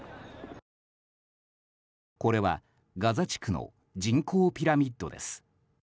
これはガザ地区の人口ピラミッドです。